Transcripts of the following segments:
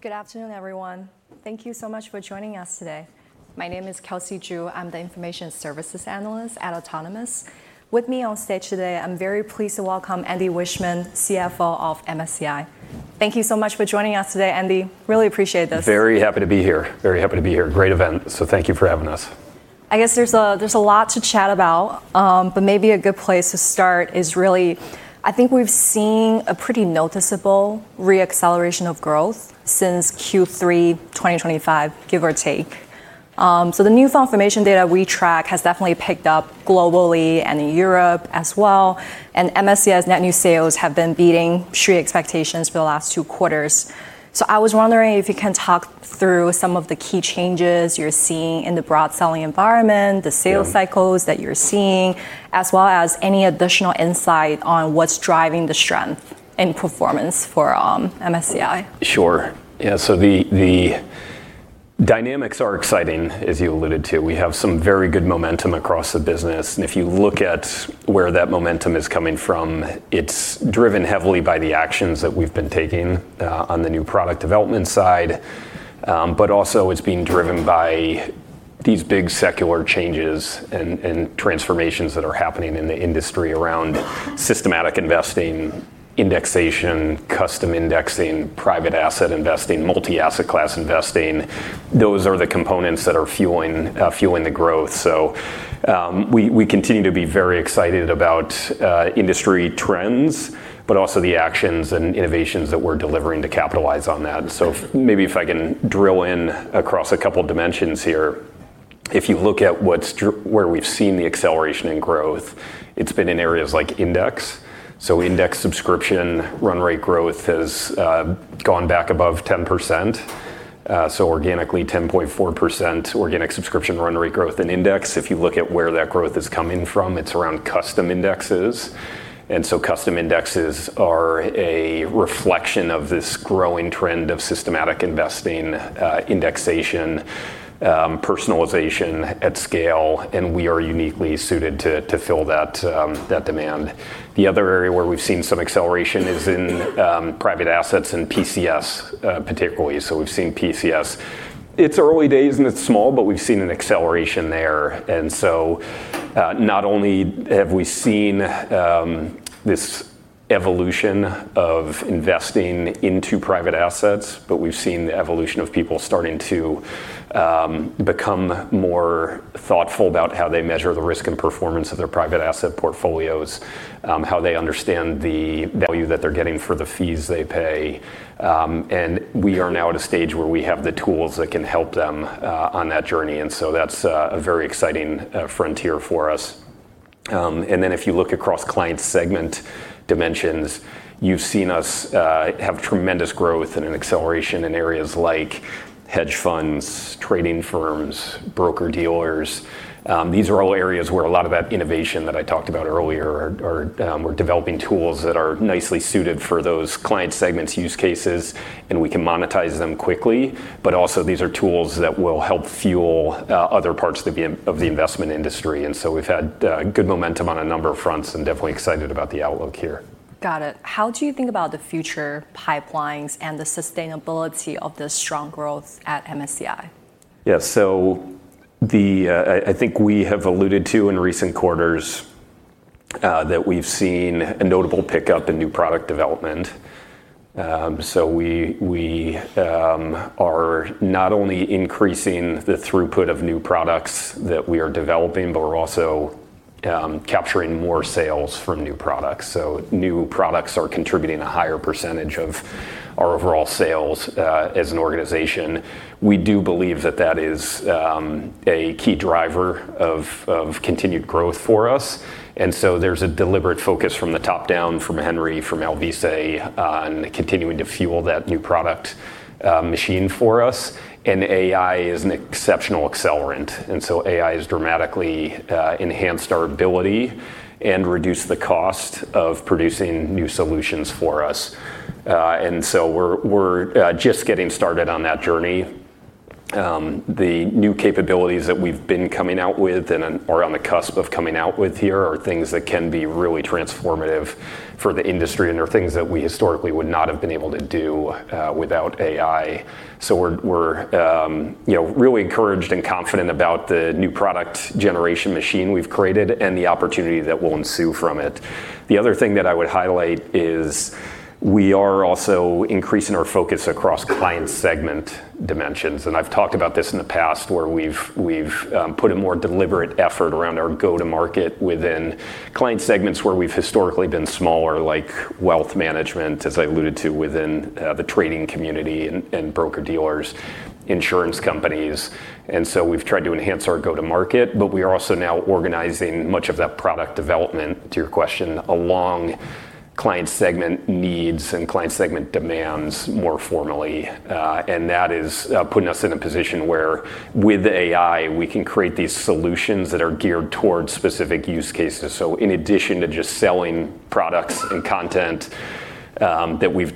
Good afternoon, everyone. Thank you so much for joining us today. My name is Kelsey Zhu. I'm the information services analyst at Autonomous. With me on stage today, I'm very pleased to welcome Andy Wiechmann, CFO of MSCI. Thank you so much for joining us today, Andy. Really appreciate this. Very happy to be here. Great event, thank you for having us. I guess there's a lot to chat about, maybe a good place to start is really, I think we've seen a pretty noticeable re-acceleration of growth since Q3 2025, give or take. The new information data we track has definitely picked up globally and in Europe as well, and MSCI's net new sales have been beating street expectations for the last two quarters. I was wondering if you can talk through some of the key changes you're seeing in the broad selling environment. Yeah The sales cycles that you're seeing, as well as any additional insight on what's driving the strength and performance for MSCI. Sure. Yeah. The dynamics are exciting, as you alluded to. We have some very good momentum across the business, and if you look at where that momentum is coming from, it's driven heavily by the actions that we've been taking on the new product development side. Also it's being driven by these big secular changes and transformations that are happening in the industry around systematic investing, indexation, custom indexing, private asset investing, multi-asset class investing. Those are the components that are fueling the growth. We continue to be very excited about industry trends, but also the actions and innovations that we're delivering to capitalize on that. Maybe if I can drill in across a couple dimensions here. If you look at where we've seen the acceleration in growth, it's been in areas like index. Index subscription run rate growth has gone back above 10%. Organically, 10.4% organic subscription run rate growth in index. If you look at where that growth is coming from, it's around custom indexes. Custom indexes are a reflection of this growing trend of systematic investing, indexation, personalization at scale, and we are uniquely suited to fill that demand. The other area where we've seen some acceleration is in private assets and PCS, particularly. We've seen PCS, it's early days and it's small, but we've seen an acceleration there. Not only have we seen this evolution of investing into private assets, but we've seen the evolution of people starting to become more thoughtful about how they measure the risk and performance of their private asset portfolios, how they understand the value that they're getting for the fees they pay. We are now at a stage where we have the tools that can help them on that journey, that's a very exciting frontier for us. If you look across client segment dimensions, you've seen us have tremendous growth and an acceleration in areas like hedge funds, trading firms, broker-dealers. These are all areas where a lot of that innovation that I talked about earlier are developing tools that are nicely suited for those client segments use cases, we can monetize them quickly, also these are tools that will help fuel other parts of the investment industry. We've had good momentum on a number of fronts and definitely excited about the outlook here. Got it. How do you think about the future pipelines and the sustainability of the strong growth at MSCI? Yeah. I think we have alluded to in recent quarters that we've seen a notable pickup in new product development. We are not only increasing the throughput of new products that we are developing, but we're also capturing more sales from new products. New products are contributing a higher percentage of our overall sales as an organization. We do believe that that is a key driver of continued growth for us, and so there's a deliberate focus from the top down, from Henry, from Alvise, on continuing to fuel that new product machine for us, and AI is an exceptional accelerant. AI has dramatically enhanced our ability and reduced the cost of producing new solutions for us. We're just getting started on that journey. The new capabilities that we've been coming out with and are on the cusp of coming out with here are things that can be really transformative for the industry. They're things that we historically would not have been able to do without AI. We're really encouraged and confident about the new product generation machine we've created and the opportunity that will ensue from it. The other thing that I would highlight is we are also increasing our focus across client segment dimensions. I've talked about this in the past where we've put a more deliberate effort around our go-to market within client segments where we've historically been smaller, like wealth management, as I alluded to within the trading community and broker-dealers, insurance companies. We've tried to enhance our go-to market, but we are also now organizing much of that product development, to your question, along client segment needs and client segment demands more formally. That is putting us in a position where with AI, we can create these solutions that are geared towards specific use cases. In addition to just selling products and content that we've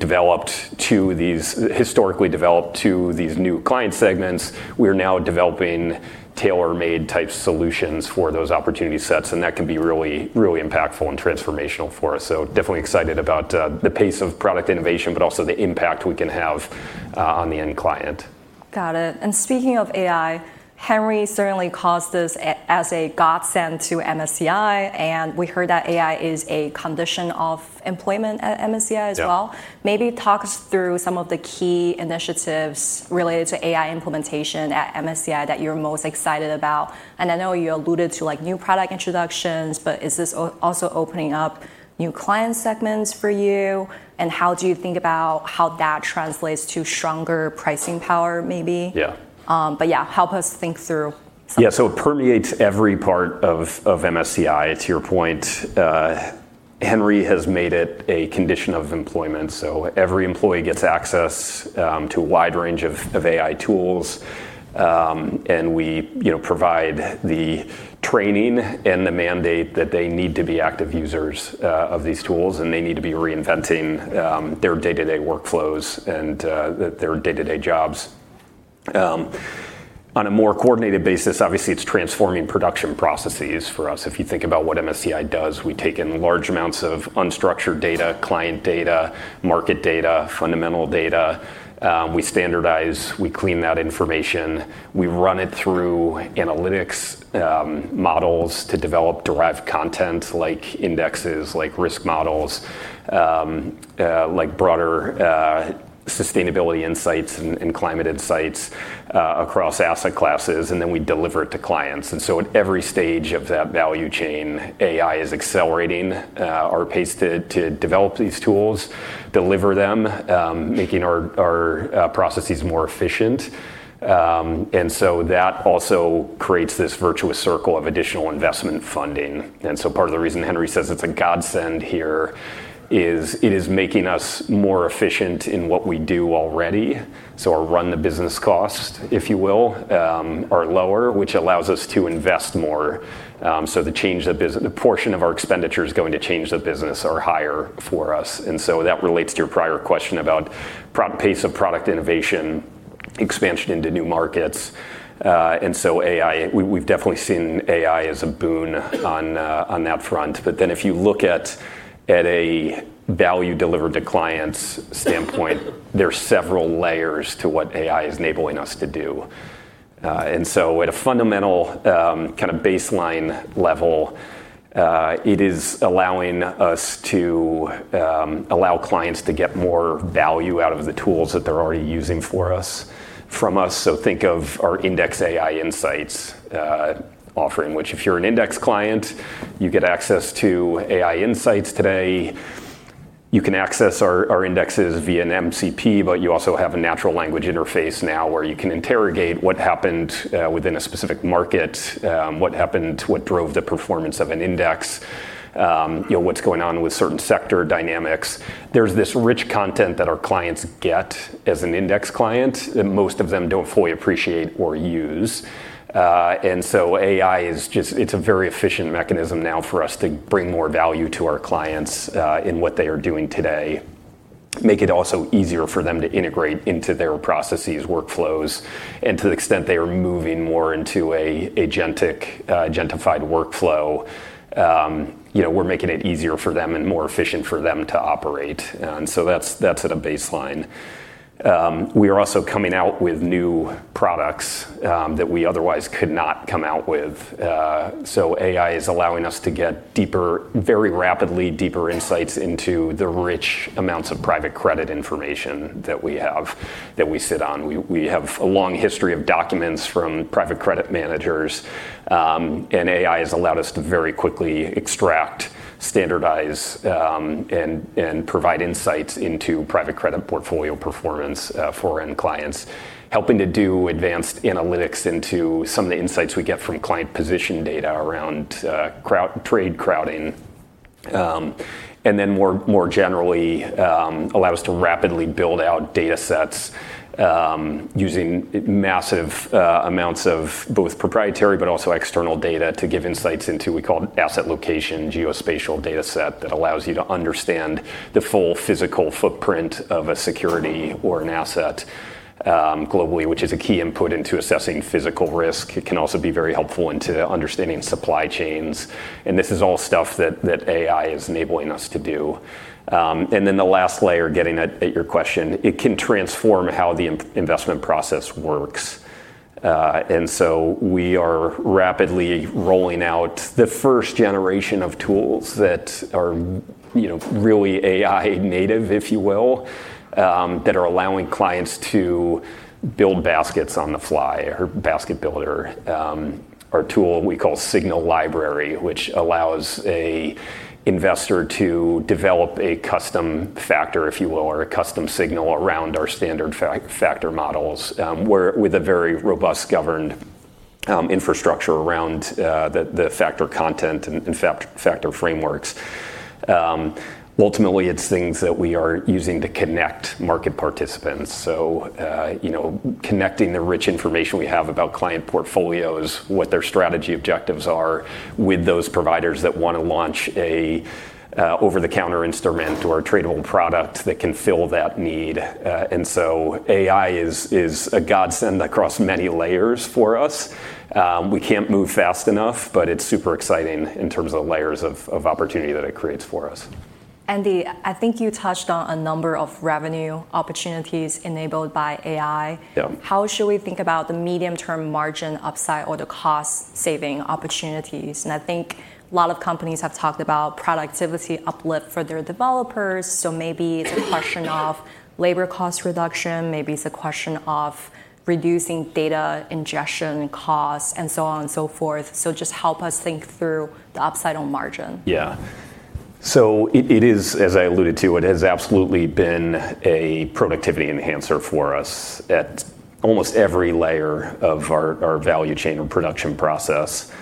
historically developed to these new client segments, we're now developing tailor-made type solutions for those opportunity sets, and that can be really impactful and transformational for us. Definitely excited about the pace of product innovation, but also the impact we can have on the end client. Got it. Speaking of AI, Henry certainly calls this as a godsend to MSCI. We heard that AI is a condition of employment at MSCI as well. Yeah. Maybe talk us through some of the key initiatives related to AI implementation at MSCI that you're most excited about? I know you alluded to new product introductions, is this also opening up new client segments for you? How do you think about how that translates to stronger pricing power, maybe? Yeah. Yeah, help us think through. It permeates every part of MSCI. To your point, Henry has made it a condition of employment, so every employee gets access to a wide range of AI tools. We provide the training and the mandate that they need to be active users of these tools, and they need to be reinventing their day-to-day workflows and their day-to-day jobs. On a more coordinated basis, obviously, it's transforming production processes for us. If you think about what MSCI does, we take in large amounts of unstructured data, client data, market data, fundamental data. We standardize, we clean that information. We run it through analytics models to develop derived content, like indexes, like risk models, like broader sustainability insights and climate insights across asset classes, and then we deliver it to clients. At every stage of that value chain, AI is accelerating our pace to develop these tools, deliver them, making our processes more efficient. That also creates this virtuous circle of additional investment funding. Part of the reason Henry says it's a godsend here is it is making us more efficient in what we do already. Our run the business costs, if you will, are lower, which allows us to invest more. The portion of our expenditure is going to change the business or higher for us. That relates to your prior question about pace of product innovation, expansion into new markets. AI, we've definitely seen AI as a boon on that front. If you look at a value delivered to clients standpoint, there's several layers to what AI is enabling us to do. At a fundamental kind of baseline level, it is allowing us to allow clients to get more value out of the tools that they're already using from us. Think of our IndexAI Insights offering, which if you're an Index client, you get access to IndexAI Insights today. You can access our indexes via an MCP, but you also have a natural language interface now where you can interrogate what happened within a specific market, what happened, what drove the performance of an index, what's going on with certain sector dynamics. There's this rich content that our clients get as an Index client, and most of them don't fully appreciate or use. AI is a very efficient mechanism now for us to bring more value to our clients in what they are doing today, make it also easier for them to integrate into their processes, workflows, and to the extent they are moving more into a agentified workflow, we're making it easier for them and more efficient for them to operate. That's at a baseline. We are also coming out with new products that we otherwise could not come out with. AI is allowing us to get very rapidly deeper insights into the rich amounts of private credit information that we have, that we sit on. We have a long history of documents from private credit managers. AI has allowed us to very quickly extract, standardize, and provide insights into private credit portfolio performance for end clients, helping to do advanced analytics into some of the insights we get from client position data around trade crowding. More generally allow us to rapidly build out data sets using massive amounts of both proprietary but also external data to give insights into, we call, asset location, geospatial data set that allows you to understand the full physical footprint of a security or an asset globally, which is a key input into assessing physical risk. It can also be very helpful into understanding supply chains. This is all stuff that AI is enabling us to do. The last layer, getting at your question, it can transform how the investment process works. We are rapidly rolling out the first generation of tools that are really AI native, if you will, that are allowing clients to build baskets on the fly, or Basket Builder, or a tool we call Signal Library, which allows a investor to develop a custom factor, if you will, or a custom signal around our standard factor models, with a very robust governed infrastructure around the factor content and factor frameworks. Ultimately, it's things that we are using to connect market participants. Connecting the rich information we have about client portfolios, what their strategy objectives are with those providers that want to launch a over-the-counter instrument or a tradable product that can fill that need. AI is a godsend across many layers for us. We can't move fast enough, but it's super exciting in terms of layers of opportunity that it creates for us. Andy, I think you touched on a number of revenue opportunities enabled by AI. Yeah. How should we think about the medium-term margin upside or the cost-saving opportunities? I think a lot of companies have talked about productivity uplift for their developers, so maybe it's a question of labor cost reduction, maybe it's a question of reducing data ingestion costs and so on and so forth. Just help us think through the upside on margin. Yeah. It is, as I alluded to, it has absolutely been a productivity enhancer for us at almost every layer of our value chain and production process.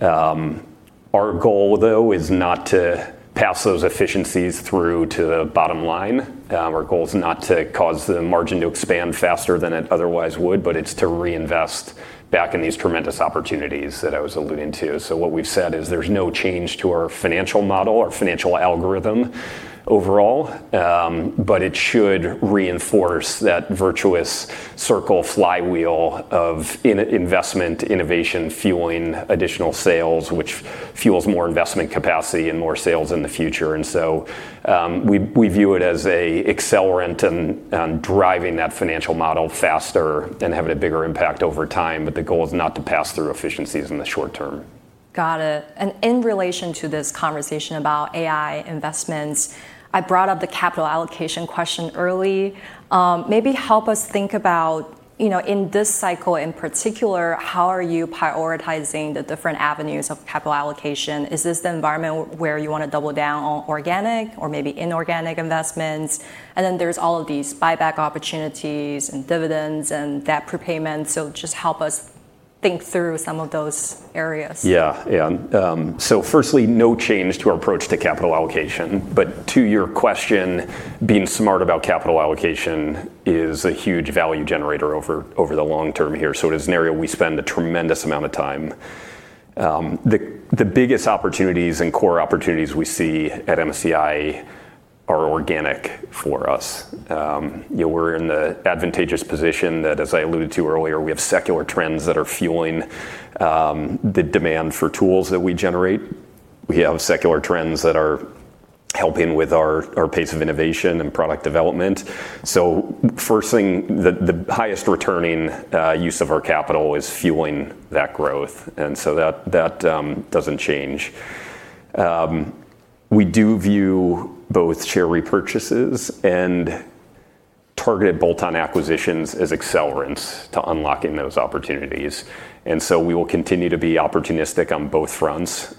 Our goal, though, is not to pass those efficiencies through to the bottom line. Our goal is not to cause the margin to expand faster than it otherwise would, but it's to reinvest back in these tremendous opportunities that I was alluding to. What we've said is there's no change to our financial model or financial algorithm overall, but it should reinforce that virtuous circle flywheel of investment innovation fueling additional sales, which fuels more investment capacity and more sales in the future. We view it as an accelerant and driving that financial model faster and having a bigger impact over time. The goal is not to pass through efficiencies in the short term. Got it. In relation to this conversation about AI investments, I brought up the capital allocation question early. Maybe help us think about in this cycle in particular, how are you prioritizing the different avenues of capital allocation? Is this the environment where you want to double down on organic or maybe inorganic investments? Then there's all of these buyback opportunities and dividends and debt prepayments. Just help us think through some of those areas. Yeah. Firstly, no change to our approach to capital allocation. To your question, being smart about capital allocation is a huge value generator over the long term here. It is an area we spend a tremendous amount of time. The biggest opportunities and core opportunities we see at MSCI are organic for us. We're in the advantageous position that, as I alluded to earlier, we have secular trends that are fueling the demand for tools that we generate. We have secular trends that are helping with our pace of innovation and product development. First thing, the highest returning use of our capital is fueling that growth, and so that doesn't change. We do view both share repurchases and targeted bolt-on acquisitions as accelerants to unlocking those opportunities, and so we will continue to be opportunistic on both fronts.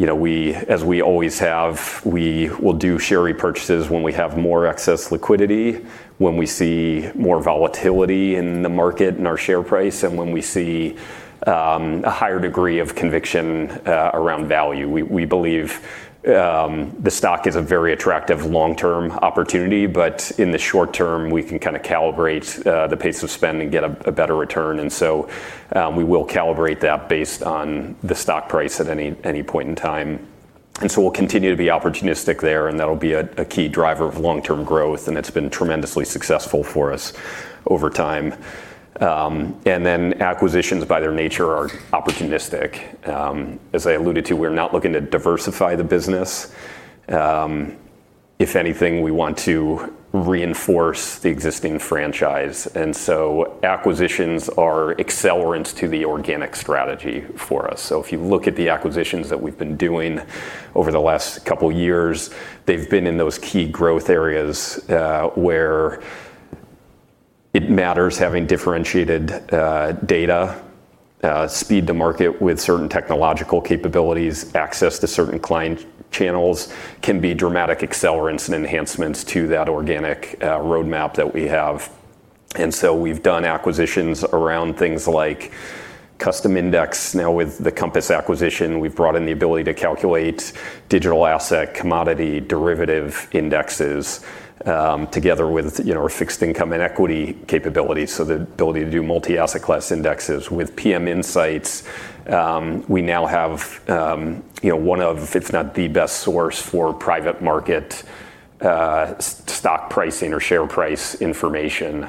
As we always have, we will do share repurchases when we have more excess liquidity, when we see more volatility in the market in our share price, and when we see a higher degree of conviction around value. We believe the stock is a very attractive long-term opportunity, but in the short term, we can kind of calibrate the pace of spend and get a better return. We will calibrate that based on the stock price at any point in time. We'll continue to be opportunistic there, and that'll be a key driver of long-term growth, and it's been tremendously successful for us over time. Acquisitions by their nature are opportunistic. As I alluded to, we're not looking to diversify the business. If anything, we want to reinforce the existing franchise, and so acquisitions are accelerants to the organic strategy for us. If you look at the acquisitions that we've been doing over the last couple of years, they've been in those key growth areas, where it matters having differentiated data, speed to market with certain technological capabilities, access to certain client channels can be dramatic accelerants and enhancements to that organic roadmap that we have. We've done acquisitions around things like custom index. Now with the Compass acquisition, we've brought in the ability to calculate digital asset commodity derivative indexes, together with our fixed income and equity capabilities, so the ability to do multi-asset class indexes. With PM Insights, we now have one of, if not the best source for private market stock pricing or share price information,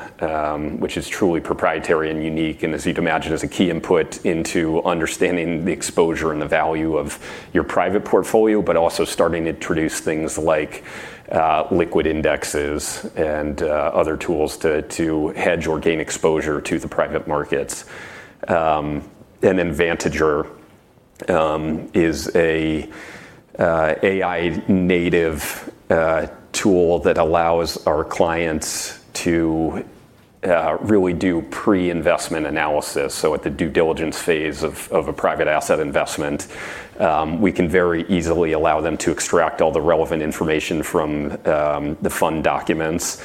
which is truly proprietary and unique and, as you'd imagine, is a key input into understanding the exposure and the value of your private portfolio, but also starting to introduce things like liquid indexes and other tools to hedge or gain exposure to the private markets. Vantager is a AI-native tool that allows our clients to really do pre-investment analysis. At the due diligence phase of a private asset investment, we can very easily allow them to extract all the relevant information from the fund documents,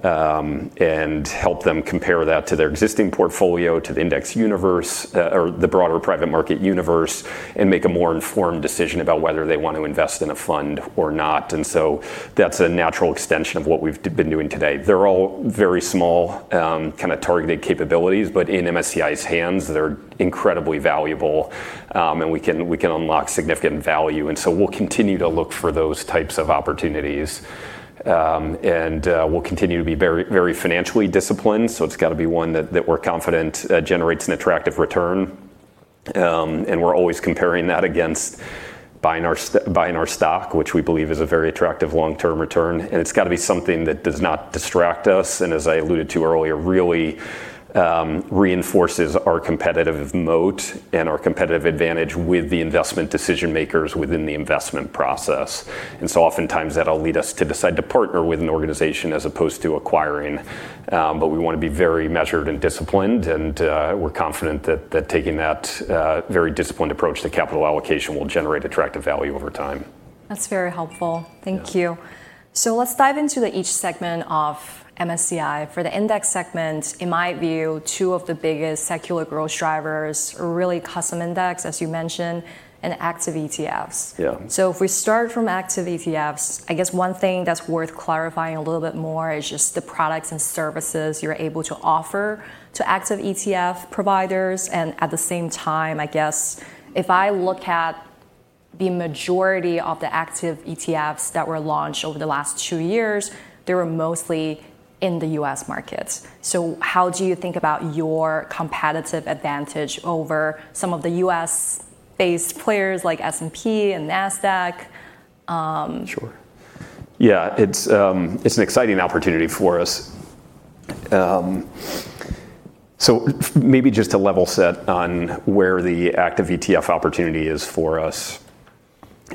and help them compare that to their existing portfolio, to the index universe or the broader private market universe, and make a more informed decision about whether they want to invest in a fund or not. That's a natural extension of what we've been doing today. They're all very small, kind of targeted capabilities, but in MSCI's hands, they're incredibly valuable. We can unlock significant value. We'll continue to look for those types of opportunities. We'll continue to be very financially disciplined. It's got to be one that we're confident generates an attractive return. We're always comparing that against buying our stock, which we believe is a very attractive long-term return. It's got to be something that does not distract us, and as I alluded to earlier, really reinforces our competitive moat and our competitive advantage with the investment decision-makers within the investment process. Oftentimes, that'll lead us to decide to partner with an organization as opposed to acquiring. We want to be very measured and disciplined, and we're confident that taking that very disciplined approach to capital allocation will generate attractive value over time. That's very helpful. Thank you. Let's dive into each segment of MSCI. For the index segment, in my view, two of the biggest secular growth drivers are really custom index, as you mentioned, and active ETFs. Yeah. If we start from active ETFs, I guess one thing that's worth clarifying a little bit more is just the products and services you're able to offer to active ETF providers. At the same time, I guess if I look at the majority of the active ETFs that were launched over the last two years, they were mostly in the U.S. market. How do you think about your competitive advantage over some of the U.S.-based players like S&P and Nasdaq? Sure. Yeah. It's an exciting opportunity for us. Maybe just to level set on where the active ETF opportunity is for us.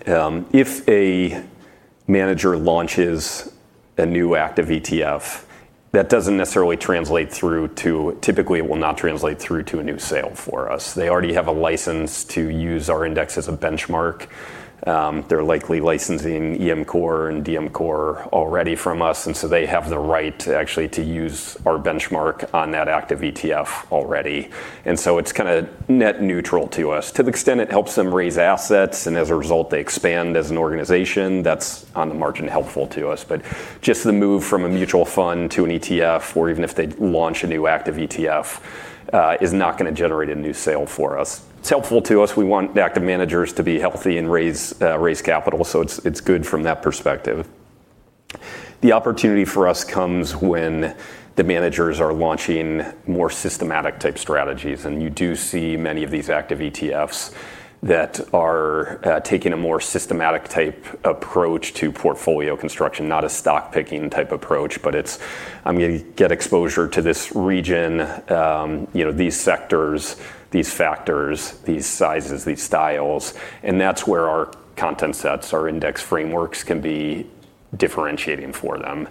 If a manager launches a new active ETF, Typically, it will not translate through to a new sale for us. They already have a license to use our index as a benchmark. They're likely licensing EM Core and DM Core already from us, they have the right to actually use our benchmark on that active ETF already. It's kind of net neutral to us. To the extent it helps them raise assets and as a result, they expand as an organization, that's on the margin helpful to us. Just the move from a mutual fund to an ETF or even if they launch a new active ETF, is not going to generate a new sale for us. It's helpful to us. We want the active managers to be healthy and raise capital. It's good from that perspective. The opportunity for us comes when the managers are launching more systematic-type strategies, and you do see many of these active ETFs that are taking a more systematic-type approach to portfolio construction, not a stock-picking type approach. It's, "I'm going to get exposure to this region, these sectors, these factors, these sizes, these styles." That's where our content sets, our index frameworks can be differentiating for them.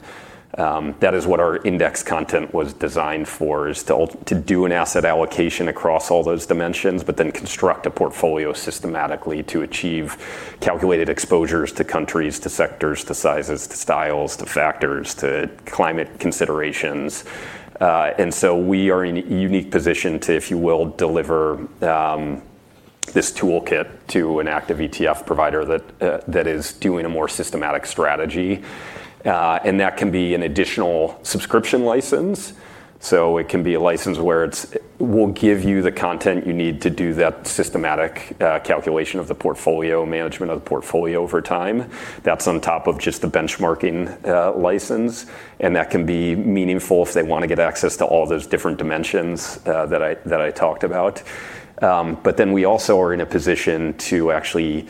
That is what our index content was designed for, is to do an asset allocation across all those dimensions, but then construct a portfolio systematically to achieve calculated exposures to countries, to sectors, to sizes, to styles, to factors, to climate considerations. We are in a unique position to, if you will, deliver this toolkit to an active ETF provider that is doing a more systematic strategy. It can be an additional subscription license. So it can be a license where it will give you the content you need to do that systematic calculation of the portfolio, management of the portfolio over time. That's on top of just the benchmarking license, and that can be meaningful if they want to get access to all those different dimensions that I talked about. We also are in a position to actually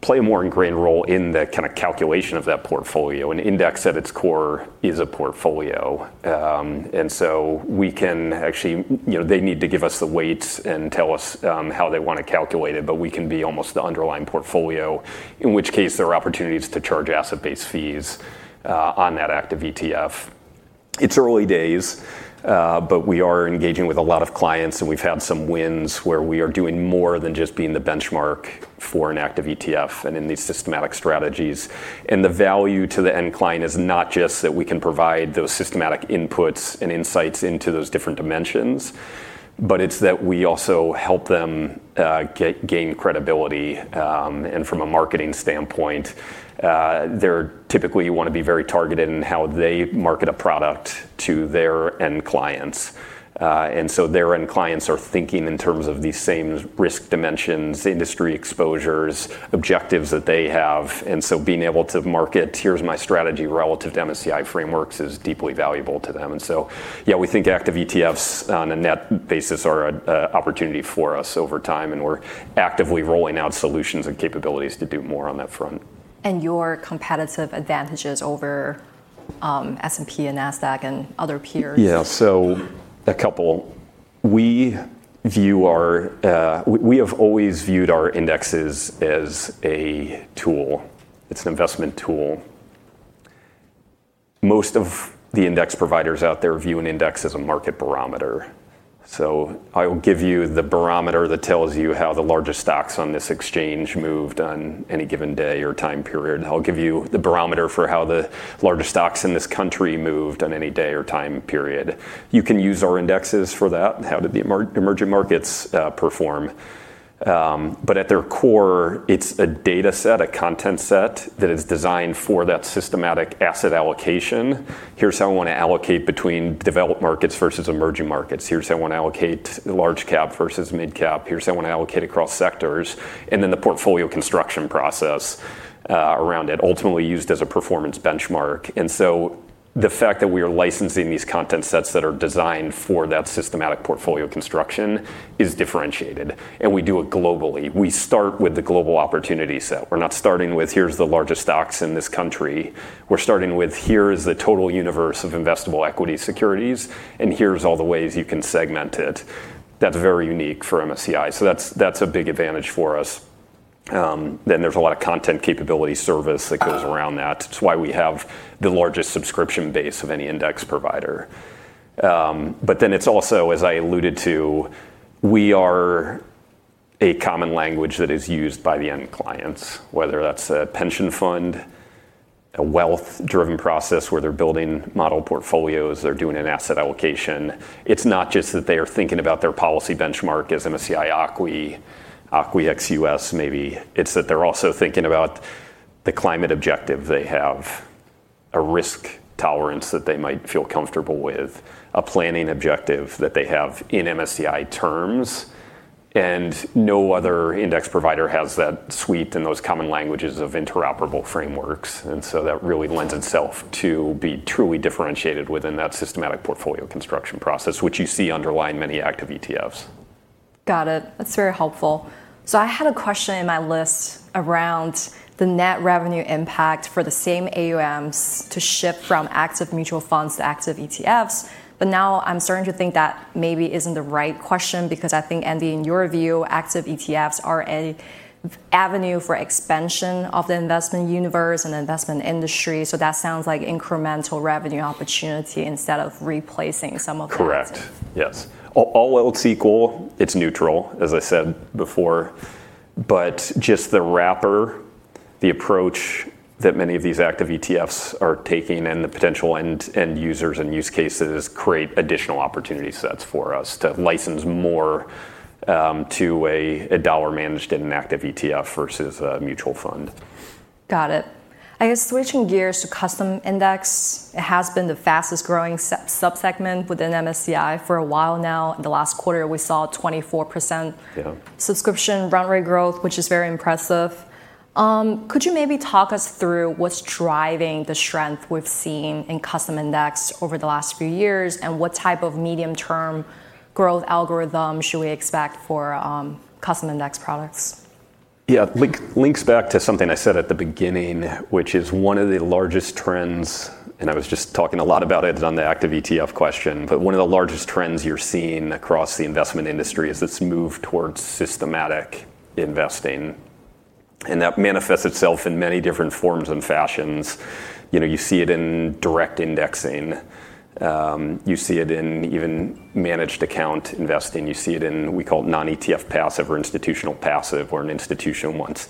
play a more ingrained role in the kind of calculation of that portfolio. An index at its core is a portfolio. We can actually. They need to give us the weights and tell us how they want to calculate it, but we can be almost the underlying portfolio, in which case there are opportunities to charge asset-based fees on that active ETF. It's early days, but we are engaging with a lot of clients, and we've had some wins where we are doing more than just being the benchmark for an active ETF and in these systematic strategies. The value to the end client is not just that we can provide those systematic inputs and insights into those different dimensions, but it's that we also help them gain credibility, and from a marketing standpoint. Typically, you want to be very targeted in how they market a product to their end clients. Their end clients are thinking in terms of these same risk dimensions, industry exposures, objectives that they have. Being able to market, "Here's my strategy relative to MSCI frameworks," is deeply valuable to them. Yeah, we think active ETFs on a net basis are an opportunity for us over time, and we're actively rolling out solutions and capabilities to do more on that front. Your competitive advantages over S&P and Nasdaq and other peers. A couple. We have always viewed our indexes as a tool. It's an investment tool. Most of the index providers out there view an index as a market barometer. I will give you the barometer that tells you how the largest stocks on this exchange moved on any given day or time period. I'll give you the barometer for how the largest stocks in this country moved on any day or time period. You can use our indexes for that. How did the emerging markets perform? At their core, it's a data set, a content set that is designed for that systematic asset allocation. Here's how I want to allocate between developed markets versus emerging markets. Here's how I want to allocate large-cap versus mid-cap. Here's how I want to allocate across sectors. The portfolio construction process around it, ultimately used as a performance benchmark. The fact that we are licensing these content sets that are designed for that systematic portfolio construction is differentiated, and we do it globally. We start with the global opportunity set. We're not starting with, "Here's the largest stocks in this country." We're starting with, "Here is the total universe of investable equity securities, and here's all the ways you can segment it." That's very unique for MSCI. That's a big advantage for us. There's a lot of content capability service that goes around that. It's why we have the largest subscription base of any index provider. It's also, as I alluded to, we are a common language that is used by the end clients, whether that's a pension fund, a wealth-driven process where they're building model portfolios, they're doing an asset allocation. It's not just that they are thinking about their policy benchmark as MSCI ACWI, ACWI ex USA, maybe. It's that they're also thinking about the climate objective they have, a risk tolerance that they might feel comfortable with, a planning objective that they have in MSCI terms, no other index provider has that suite and those common languages of interoperable frameworks. So that really lends itself to be truly differentiated within that systematic portfolio construction process, which you see underlying many active ETFs. Got it. That's very helpful. I had a question in my list around the net revenue impact for the same AUMs to shift from active mutual funds to active ETFs. Now I'm starting to think that maybe isn't the right question because I think, Andy, in your view, active ETFs are a avenue for expansion of the investment universe and investment industry. That sounds like incremental revenue opportunity instead of replacing some of that. Correct. Yes. All else equal, it's neutral, as I said before, but just the wrapper, the approach that many of these active ETFs are taking and the potential end users and use cases create additional opportunity sets for us to license more, to a $1 managed in an active ETF versus a mutual fund. Got it. I guess switching gears to custom index, it has been the fastest-growing sub-segment within MSCI for a while now. In the last quarter, we saw 24%- Yeah subscription run rate growth, which is very impressive. Could you maybe talk us through what's driving the strength we've seen in custom index over the last few years, and what type of medium-term growth algorithm should we expect for custom index products? Yeah. Links back to something I said at the beginning, which is one of the largest trends, and I was just talking a lot about it on the active ETF question. One of the largest trends you're seeing across the investment industry is this move towards systematic investing. That manifests itself in many different forms and fashions. You see it in direct indexing. You see it in even managed account investing. You see it in, we call non-ETF passive or institutional passive, where an institution wants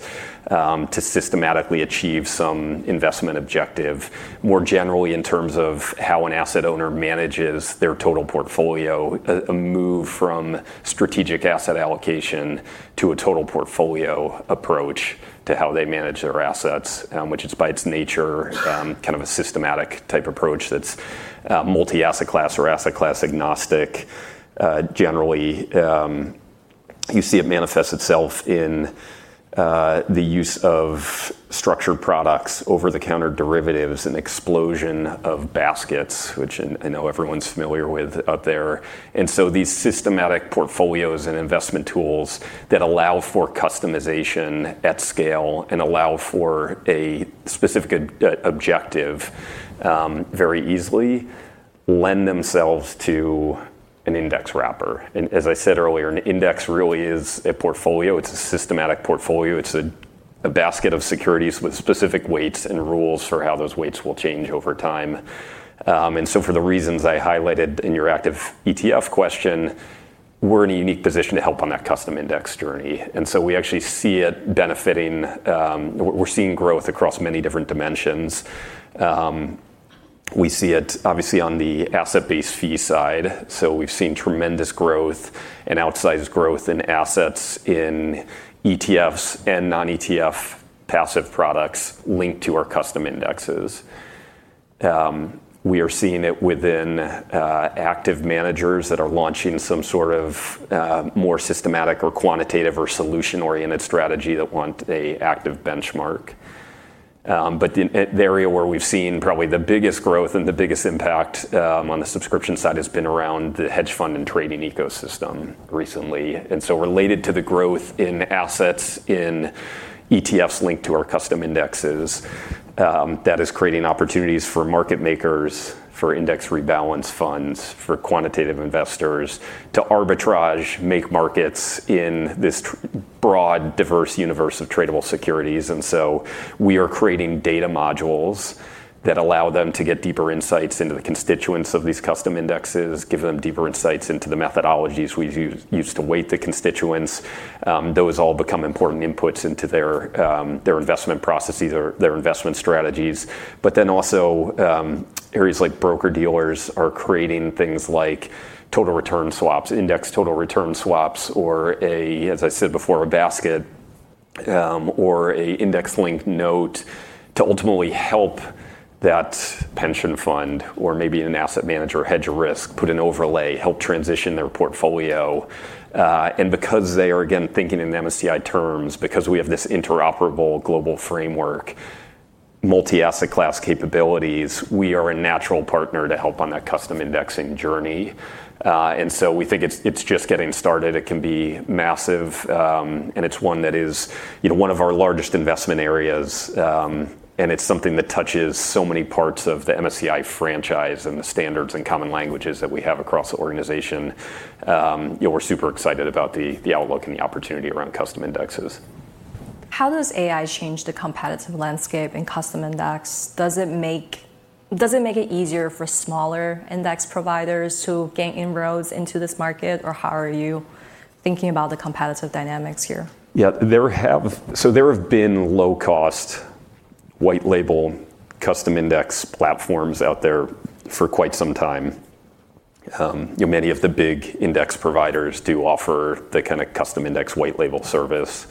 to systematically achieve some investment objective, more generally in terms of how an asset owner manages their total portfolio, a move from strategic asset allocation to a total portfolio approach to how they manage their assets, which is by its nature, kind of a systematic-type approach that's multi-asset class or asset class-agnostic. Generally, you see it manifests itself in the use of structured products, over-the-counter derivatives, an explosion of baskets, which I know everyone's familiar with out there. These systematic portfolios and investment tools that allow for customization at scale and allow for a specific objective, very easily lend themselves to an index wrapper. As I said earlier, an index really is a portfolio. It's a systematic portfolio. It's a basket of securities with specific weights and rules for how those weights will change over time. For the reasons I highlighted in your active ETF question, we're in a unique position to help on that custom index journey. We actually see it benefiting. We're seeing growth across many different dimensions. We see it obviously on the asset-based fee side. We've seen tremendous growth and outsized growth in assets in ETFs and non-ETF passive products linked to our custom indexes. We are seeing it within active managers that are launching some sort of more systematic or quantitative or solution-oriented strategy that want a active benchmark. The area where we've seen probably the biggest growth and the biggest impact on the subscription side has been around the hedge fund and trading ecosystem recently. Related to the growth in assets in ETFs linked to our custom indexes, that is creating opportunities for market makers, for index rebalance funds, for quantitative investors to arbitrage, make markets in this broad, diverse universe of tradable securities. We are creating data modules that allow them to get deeper insights into the constituents of these custom indexes, give them deeper insights into the methodologies we've used to weight the constituents. Those all become important inputs into their investment processes or their investment strategies. Areas like broker-dealers are creating things like total return swaps, index total return swaps, or as I said before, a basket or a index-linked note to ultimately help that pension fund or maybe an asset manager hedge a risk, put an overlay, help transition their portfolio. Because they are, again, thinking in MSCI terms, because we have this interoperable global framework, multi-asset class capabilities, we are a natural partner to help on that custom indexing journey. We think it's just getting started. It can be massive, and it's one that is one of our largest investment areas. It's something that touches so many parts of the MSCI franchise and the standards and common languages that we have across the organization. We're super excited about the outlook and the opportunity around custom indexes. How does AI change the competitive landscape in custom index? Does it make it easier for smaller index providers to gain inroads into this market? How are you thinking about the competitive dynamics here? Yeah. There have been low-cost white label custom index platforms out there for quite some time. Many of the big index providers do offer the kind of custom index white label service.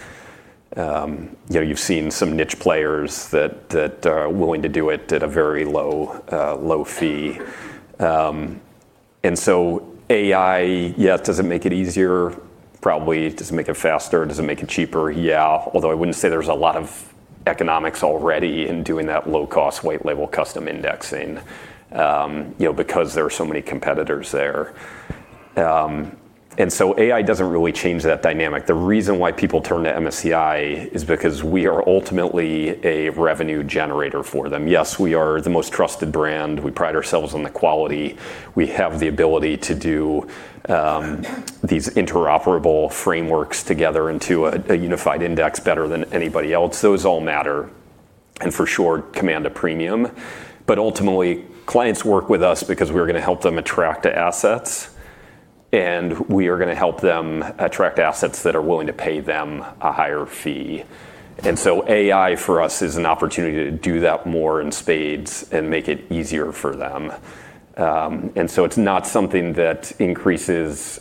You've seen some niche players that are willing to do it at a very low fee. AI, yeah, does it make it easier? Probably. Does it make it faster? Does it make it cheaper? Yeah. Although I wouldn't say there's a lot of economics already in doing that low-cost white label custom indexing, because there are so many competitors there. AI doesn't really change that dynamic. The reason why people turn to MSCI is because we are ultimately a revenue generator for them. We are the most trusted brand. We pride ourselves on the quality. We have the ability to do these interoperable frameworks together into a unified index better than anybody else. Those all matter, for sure command a premium. Ultimately, clients work with us because we are going to help them attract assets, and we are going to help them attract assets that are willing to pay them a higher fee. AI for us is an opportunity to do that more in spades and make it easier for them. It's not something that decreases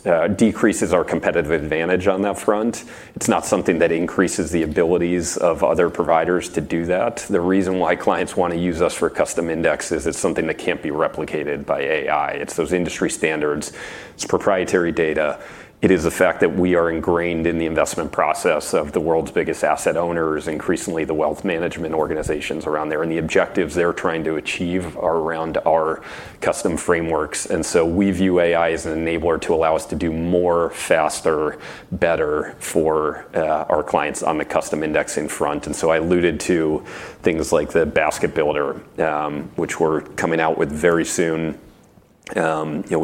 our competitive advantage on that front. It's not something that increases the abilities of other providers to do that. The reason why clients want to use us for custom index is it's something that can't be replicated by AI. It's those industry standards. It's proprietary data. It is the fact that we are ingrained in the investment process of the world's biggest asset owners, increasingly the wealth management organizations around there, and the objectives they're trying to achieve are around our custom frameworks. We view AI as an enabler to allow us to do more, faster, better for our clients on the custom indexing front. I alluded to things like the Basket Builder, which we're coming out with very soon. We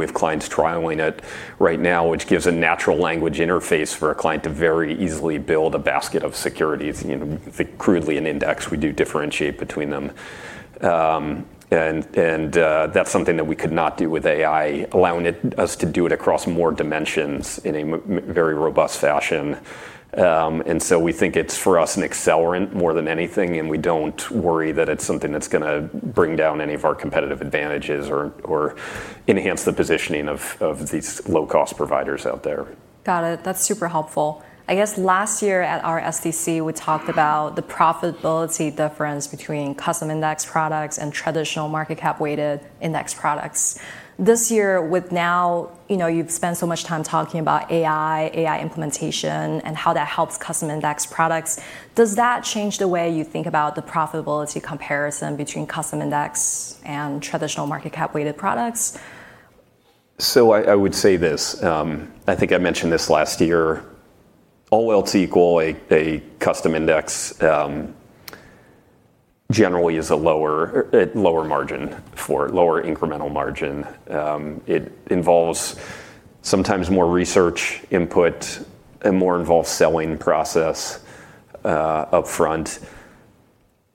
have clients trialing it right now, which gives a natural language interface for a client to very easily build a basket of securities, crudely an index. We do differentiate between them. That's something that we could not do with AI, allowing us to do it across more dimensions in a very robust fashion. We think it's for us an accelerant more than anything, and we don't worry that it's something that's going to bring down any of our competitive advantages or enhance the positioning of these low-cost providers out there. Got it. That's super helpful. I guess last year at our SDC, we talked about the profitability difference between custom index products and traditional market cap-weighted index products. This year, you've spent so much time talking about AI implementation, and how that helps custom index products. Does that change the way you think about the profitability comparison between custom index and traditional market cap-weighted products? I would say this. I think I mentioned this last year. All else equal, a custom index generally is a lower incremental margin. It involves sometimes more research input and more involved selling process upfront.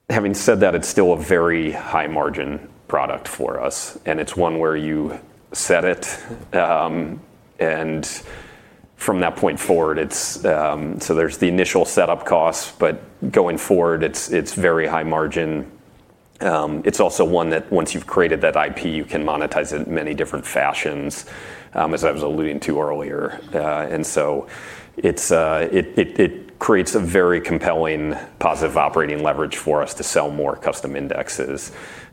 Having said that, it's still a very high-margin product for us, and it's one where you set it, and from that point forward, so there's the initial setup cost, but going forward, it's very high margin. It's also one that once you've created that IP, you can monetize it in many different fashions, as I was alluding to earlier. It creates a very compelling positive operating leverage for us to sell more custom indexes.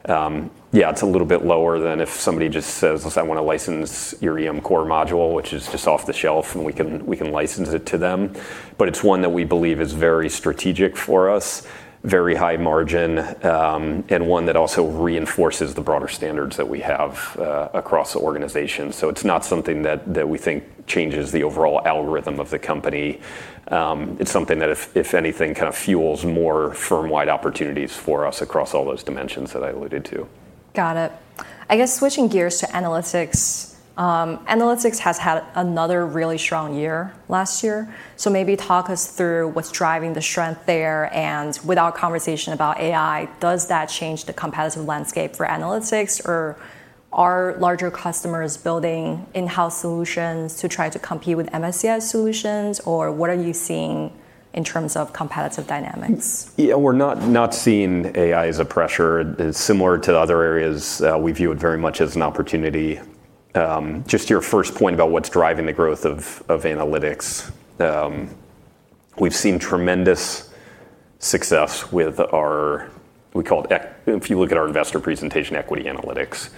Yeah, it's a little bit lower than if somebody just says, "Listen, I want to license your EM Core module," which is just off the shelf, and we can license it to them. It's one that we believe is very strategic for us, very high margin, and one that also reinforces the broader standards that we have across the organization. It's not something that we think changes the overall algorithm of the company. It's something that, if anything, kind of fuels more firm-wide opportunities for us across all those dimensions that I alluded to. Got it. I guess switching gears to analytics. Analytics has had another really strong year last year. Maybe talk us through what's driving the strength there, and with our conversation about AI, does that change the competitive landscape for analytics? Are larger customers building in-house solutions to try to compete with MSCI solutions, what are you seeing in terms of competitive dynamics? Yeah, we're not seeing AI as a pressure. Similar to other areas, we view it very much as an opportunity. Just to your first point about what's driving the growth of analytics. We've seen tremendous success with our, if you look at our investor presentation, equity analytics.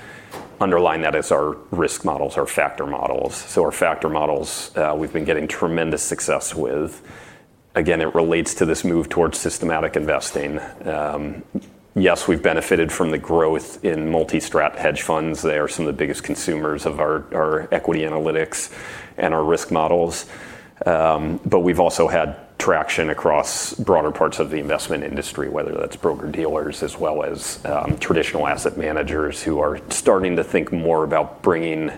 Underlying that is our risk models, our factor models. Our factor models, we've been getting tremendous success with. Again, it relates to this move towards systematic investing. Yes, we've benefited from the growth in multi-strat hedge funds. They are some of the biggest consumers of our equity analytics and our risk models. We've also had traction across broader parts of the investment industry, whether that's broker-dealers as well as traditional asset managers who are starting to think more about bringing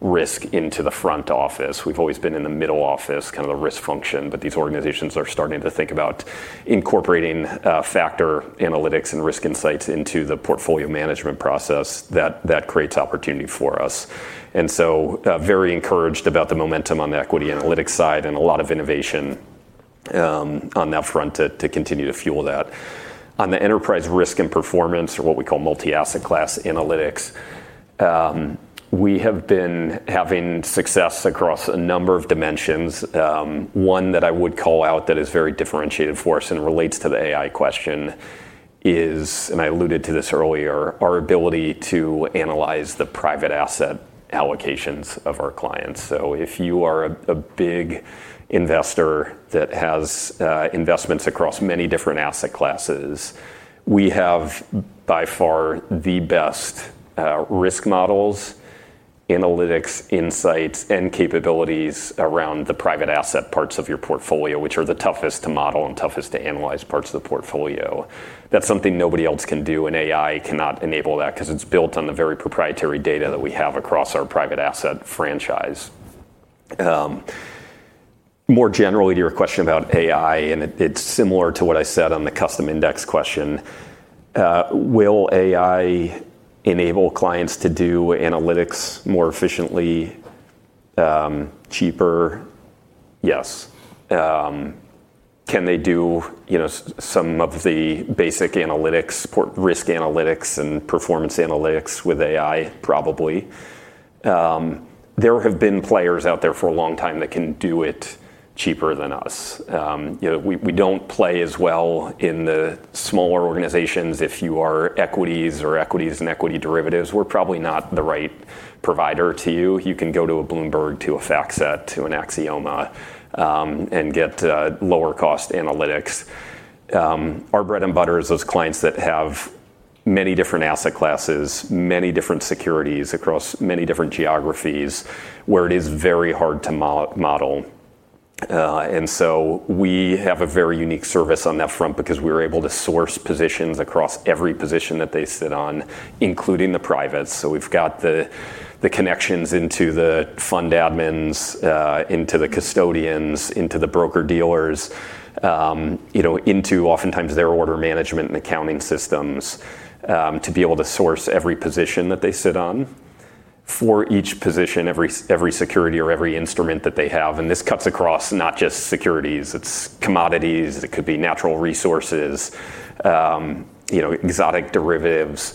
risk into the front office. We've always been in the middle office, kind of the risk function, but these organizations are starting to think about incorporating factor analytics and risk insights into the portfolio management process. That creates opportunity for us. Very encouraged about the momentum on the equity analytics side and a lot of innovation on that front to continue to fuel that. On the enterprise risk and performance, or what we call multi-asset class analytics, we have been having success across a number of dimensions. One that I would call out that is very differentiated for us and relates to the AI question is, and I alluded to this earlier, our ability to analyze the private asset allocations of our clients. If you are a big investor that has investments across many different asset classes, we have by far the best risk models, analytics, insights, and capabilities around the private asset parts of your portfolio, which are the toughest to model and toughest to analyze parts of the portfolio. That's something nobody else can do, and AI cannot enable that because it's built on the very proprietary data that we have across our private asset franchise. More generally, to your question about AI, and it's similar to what I said on the custom index question, will AI enable clients to do analytics more efficiently, cheaper? Yes. Can they do some of the basic analytics, risk analytics, and performance analytics with AI? Probably. There have been players out there for a long time that can do it cheaper than us. We don't play as well in the smaller organizations. If you are equities or equities and equity derivatives, we're probably not the right provider to you. You can go to a Bloomberg, to a FactSet, to an Axioma, and get lower-cost analytics. Our bread and butter is those clients that have many different asset classes, many different securities across many different geographies, where it is very hard to model. We have a very unique service on that front because we're able to source positions across every position that they sit on, including the privates. We've got the connections into the fund admins, into the custodians, into the broker-dealers, into oftentimes their order management and accounting systems, to be able to source every position that they sit on for each position, every security, or every instrument that they have. This cuts across not just securities. It's commodities. It could be natural resources, exotic derivatives.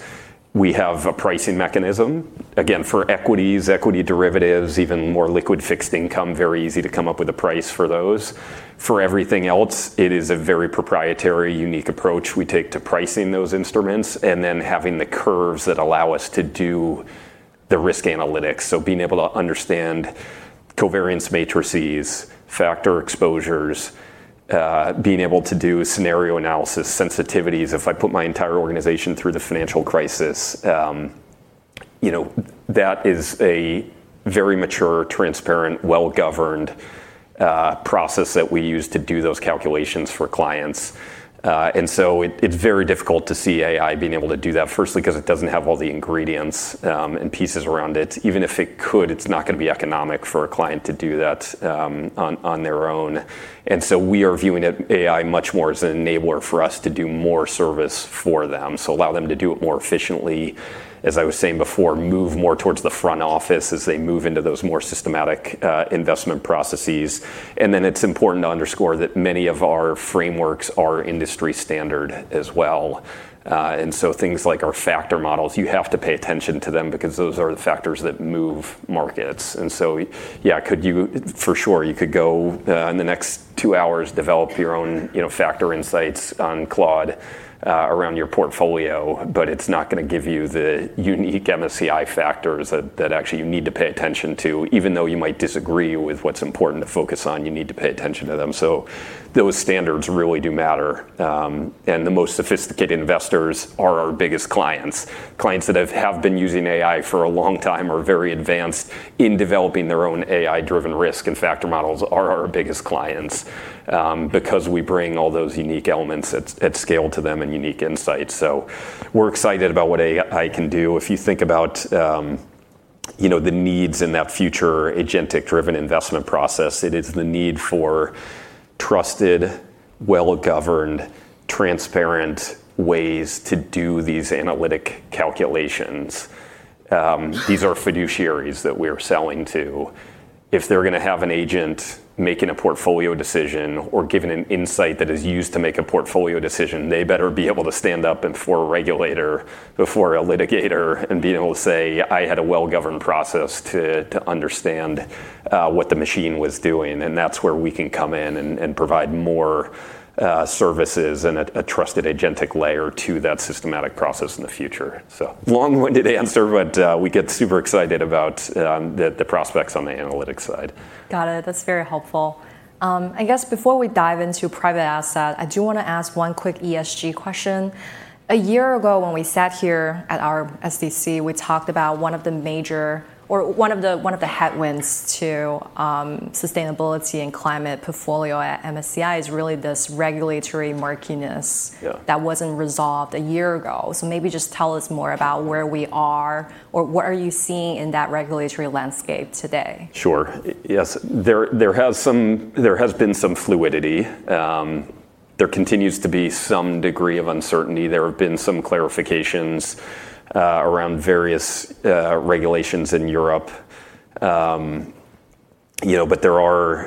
We have a pricing mechanism. Again, for equities, equity derivatives, even more liquid fixed income, very easy to come up with a price for those. For everything else, it is a very proprietary, unique approach we take to pricing those instruments and then having the curves that allow us to do the risk analytics. Being able to understand covariance matrices, factor exposures, being able to do scenario analysis sensitivities. If I put my entire organization through the financial crisis, that is a very mature, transparent, well-governed process that we use to do those calculations for clients. It's very difficult to see AI being able to do that, firstly, because it doesn't have all the ingredients and pieces around it. Even if it could, it's not going to be economic for a client to do that on their own. We are viewing AI much more as an enabler for us to do more service for them. Allow them to do it more efficiently, as I was saying before, move more towards the front office as they move into those more systematic investment processes. It's important to underscore that many of our frameworks are industry standard as well. Things like our factor models, you have to pay attention to them because those are the factors that move markets. Yeah, for sure, you could go in the next two hours, develop your own factor insights on Claude around your portfolio, but it's not going to give you the unique MSCI factors that actually you need to pay attention to. Even though you might disagree with what's important to focus on, you need to pay attention to them. Those standards really do matter. The most sophisticated investors are our biggest clients. Clients that have been using AI for a long time, are very advanced in developing their own AI-driven risk and factor models are our biggest clients, because we bring all those unique elements at scale to them and unique insights. We're excited about what AI can do. If you think about the needs in that future agentic-driven investment process, it is the need for trusted, well-governed, transparent ways to do these analytic calculations. These are fiduciaries that we're selling to. If they're going to have an agent making a portfolio decision or giving an insight that is used to make a portfolio decision, they better be able to stand up before a regulator, before a litigator, and be able to say, "I had a well-governed process to understand what the machine was doing." That's where we can come in and provide more services and a trusted agentic layer to that systematic process in the future. Long-winded answer, but we get super excited about the prospects on the analytics side. Got it. That's very helpful. I guess before we dive into private asset, I do want to ask one quick ESG question. A year ago, when we sat here at our SDC, we talked about one of the headwinds to sustainability and climate portfolio at MSCI is really this regulatory murkiness- Yeah that wasn't resolved a year ago. Maybe just tell us more about where we are, or what are you seeing in that regulatory landscape today? Sure. Yes. There has been some fluidity. There continues to be some degree of uncertainty. There have been some clarifications around various regulations in Europe. There are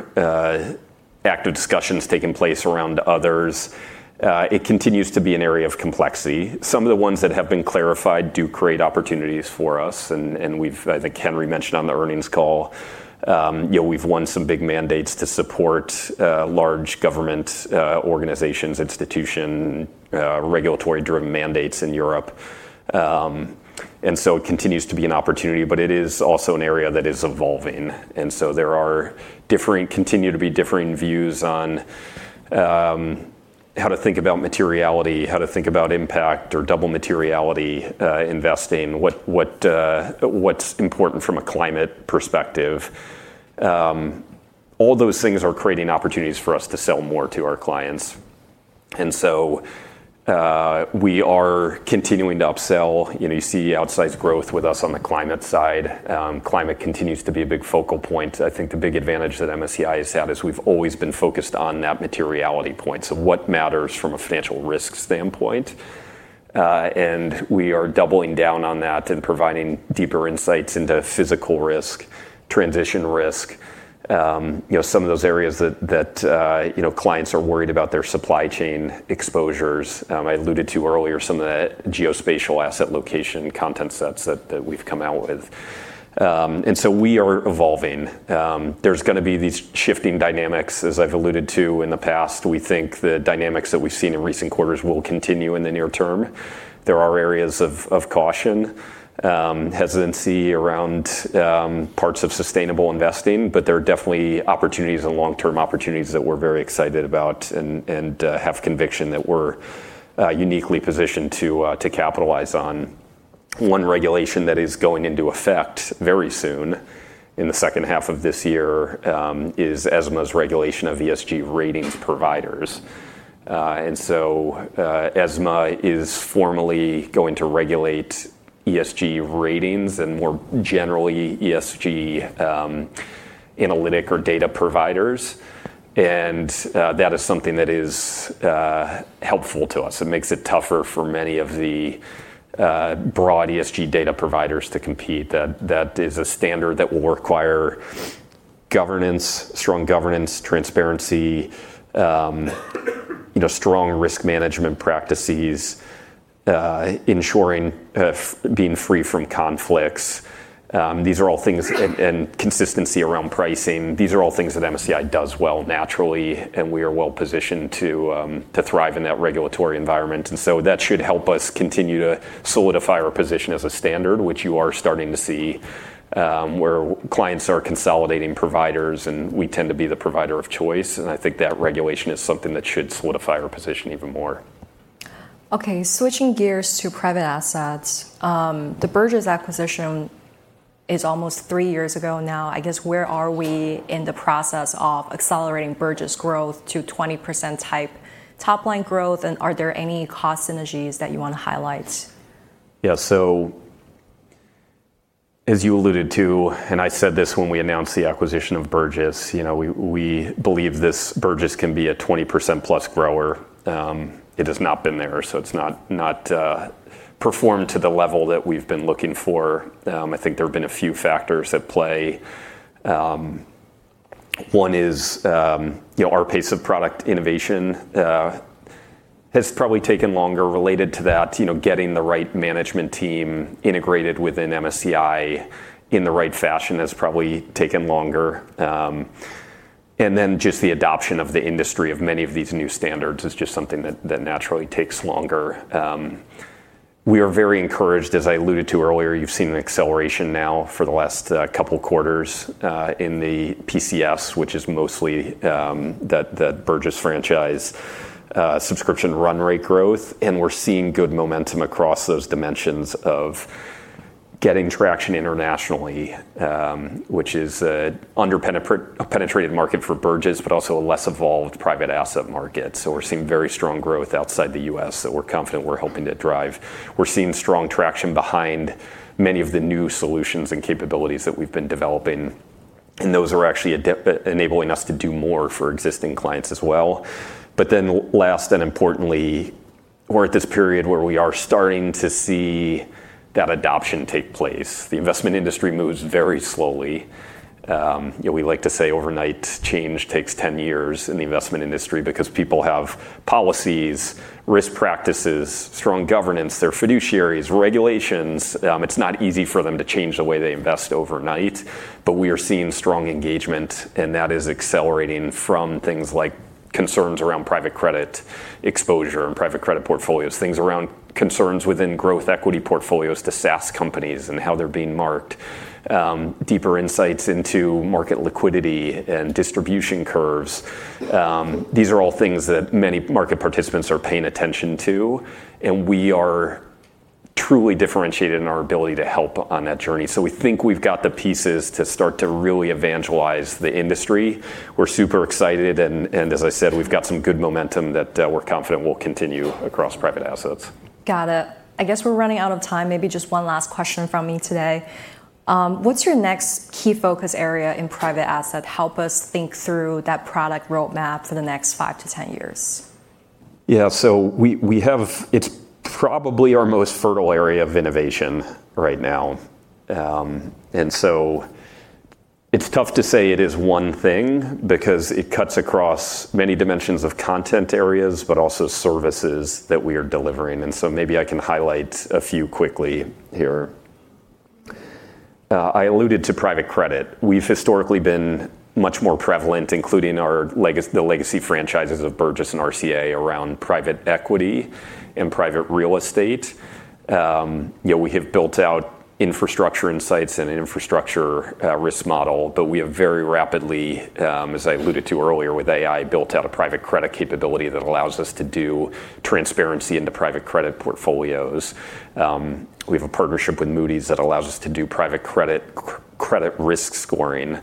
active discussions taking place around others. It continues to be an area of complexity. Some of the ones that have been clarified do create opportunities for us, and I think Henry mentioned on the earnings call, we've won some big mandates to support large government organizations, institution, regulatory-driven mandates in Europe. It continues to be an opportunity, but it is also an area that is evolving. There continue to be differing views on how to think about materiality, how to think about impact or double materiality, investing, what's important from a climate perspective. All those things are creating opportunities for us to sell more to our clients. We are continuing to upsell. You see outsized growth with us on the climate side. Climate continues to be a big focal point. I think the big advantage that MSCI has had is we've always been focused on that materiality point. What matters from a financial risk standpoint, and we are doubling down on that and providing deeper insights into physical risk, transition risk, some of those areas that clients are worried about their supply chain exposures. I alluded to earlier some of the geospatial asset location content sets that we've come out with. We are evolving. There's going to be these shifting dynamics, as I've alluded to in the past. We think the dynamics that we've seen in recent quarters will continue in the near term. There are areas of caution, hesitancy around parts of sustainable investing, but there are definitely opportunities and long-term opportunities that we're very excited about and have conviction that we're uniquely positioned to capitalize on. One regulation that is going into effect very soon, in the second half of this year, is ESMA's regulation of ESG ratings providers. ESMA is formally going to regulate ESG ratings and more generally ESG analytic or data providers, and that is something that is helpful to us. It makes it tougher for many of the broad ESG data providers to compete. That is a standard that will require strong governance, transparency, strong risk management practices, ensuring being free from conflicts, and consistency around pricing. These are all things that MSCI does well naturally, and we are well-positioned to thrive in that regulatory environment. That should help us continue to solidify our position as a standard, which you are starting to see, where clients are consolidating providers, and we tend to be the provider of choice. I think that regulation is something that should solidify our position even more. Okay. Switching gears to private assets. The Burgiss acquisition is almost three years ago now. I guess, where are we in the process of accelerating Burgiss growth to 20% type top-line growth, and are there any cost synergies that you want to highlight? Yeah. As you alluded to, and I said this when we announced the acquisition of Burgiss, we believe this Burgiss can be a 20%+ grower. It has not been there, so it's not performed to the level that we've been looking for. I think there have been a few factors at play. One is our pace of product innovation has probably taken longer related to that. Getting the right management team integrated within MSCI in the right fashion has probably taken longer. Then just the adoption of the industry of many of these new standards is just something that naturally takes longer. We are very encouraged, as I alluded to earlier, you've seen an acceleration now for the last couple of quarters, in the PCS, which is mostly that Burgiss franchise subscription run rate growth. We're seeing good momentum across those dimensions of getting traction internationally, which is an under-penetrated market for Burgiss, but also a less evolved private asset market. We're seeing very strong growth outside the U.S. that we're confident we're helping to drive. We're seeing strong traction behind many of the new solutions and capabilities that we've been developing, and those are actually enabling us to do more for existing clients as well. Last, and importantly, we're at this period where we are starting to see that adoption take place. The investment industry moves very slowly. We like to say overnight change takes 10 years in the investment industry because people have policies, risk practices, strong governance, their fiduciaries, regulations. It's not easy for them to change the way they invest overnight. We are seeing strong engagement, and that is accelerating from things like concerns around private credit exposure and private credit portfolios, things around concerns within growth equity portfolios to SaaS companies and how they're being marked, deeper insights into market liquidity and distribution curves. These are all things that many market participants are paying attention to, and we are truly differentiated in our ability to help on that journey. We think we've got the pieces to start to really evangelize the industry. We're super excited, and as I said, we've got some good momentum that we're confident will continue across private assets. Got it. I guess we're running out of time. Maybe just one last question from me today. What's your next key focus area in private asset? Help us think through that product roadmap for the next five to 10 years. Yeah. It's probably our most fertile area of innovation right now. It's tough to say it is one thing because it cuts across many dimensions of content areas, but also services that we are delivering. Maybe I can highlight a few quickly here. I alluded to private credit. We've historically been much more prevalent, including the legacy franchises of Burgiss and RCA around private equity and private real estate. We have built out infrastructure insights and infrastructure risk model, but we have very rapidly, as I alluded to earlier with AI, built out a private credit capability that allows us to do transparency into private credit portfolios. We have a partnership with Moody's that allows us to do private credit risk scoring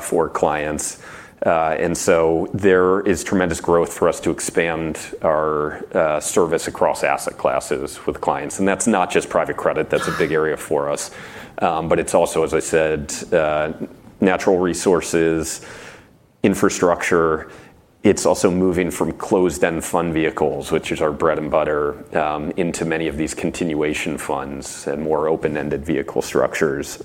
for clients. There is tremendous growth for us to expand our service across asset classes with clients, and that's not just private credit that's a big area for us. It's also, as I said, natural resources, infrastructure. It's also moving from closed-end fund vehicles, which is our bread and butter, into many of these continuation funds and more open-ended vehicle structures.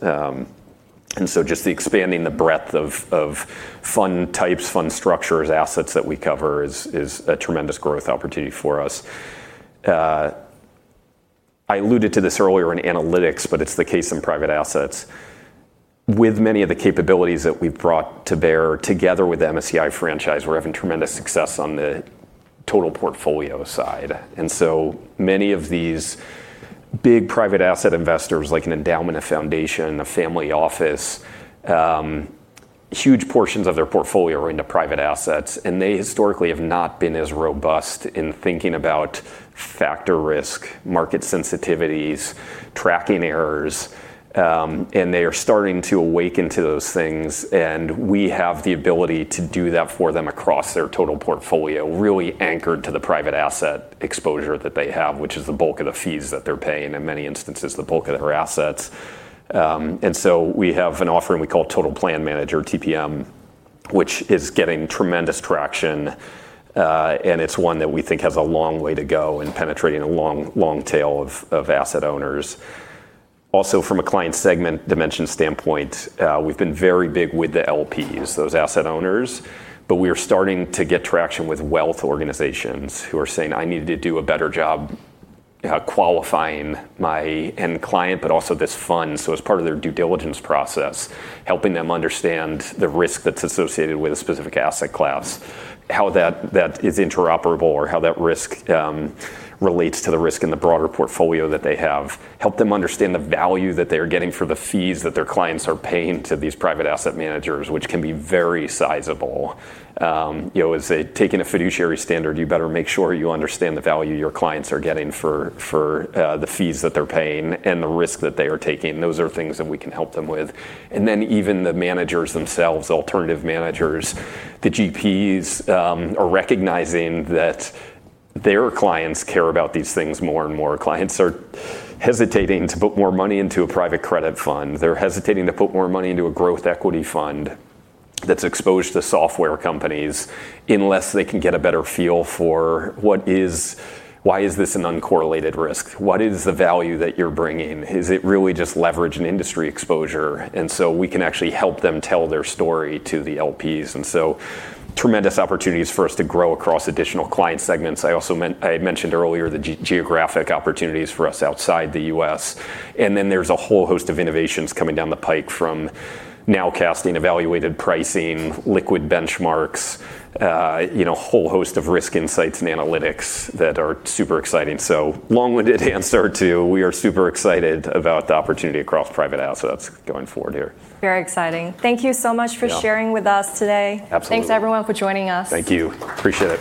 Just the expanding the breadth of fund types, fund structures, assets that we cover is a tremendous growth opportunity for us. I alluded to this earlier in analytics, but it's the case in private assets. With many of the capabilities that we've brought to bear together with the MSCI franchise, we're having tremendous success on the total portfolio side. Many of these big private asset investors like an endowment, a foundation, a family office, huge portions of their portfolio are into private assets, and they historically have not been as robust in thinking about factor risk, market sensitivities, tracking errors. They are starting to awaken to those things, and we have the ability to do that for them across their total portfolio, really anchored to the private asset exposure that they have, which is the bulk of the fees that they're paying, in many instances, the bulk of their assets. We have an offering we call Total Plan Manager, TPM, which is getting tremendous traction. It's one that we think has a long way to go in penetrating a long tail of asset owners. Also from a client segment dimension standpoint, we've been very big with the LPs, those asset owners, but we are starting to get traction with wealth organizations who are saying, "I need to do a better job qualifying my end client, but also this fund." As part of their due diligence process, helping them understand the risk that's associated with a specific asset class, how that is interoperable or how that risk relates to the risk in the broader portfolio that they have. Help them understand the value that they are getting for the fees that their clients are paying to these private asset managers, which can be very sizable. As they take in a fiduciary standard, you better make sure you understand the value your clients are getting for the fees that they're paying and the risk that they are taking. Those are things that we can help them with. Even the managers themselves, alternative managers, the GPs, are recognizing that their clients care about these things more and more. Clients are hesitating to put more money into a private credit fund. They're hesitating to put more money into a growth equity fund that's exposed to software companies unless they can get a better feel for why is this an uncorrelated risk? What is the value that you're bringing? Is it really just leverage and industry exposure? We can actually help them tell their story to the LPs. Tremendous opportunities for us to grow across additional client segments. I mentioned earlier the geographic opportunities for us outside the U.S. Then there's a whole host of innovations coming down the pike from nowcasting, evaluated pricing, liquid benchmarks, a whole host of risk insights and analytics that are super exciting. Long-winded answer to we are super excited about the opportunity across private assets going forward here. Very exciting. Thank you so much for sharing with us today. Absolutely. Thanks, everyone, for joining us. Thank you. Appreciate it.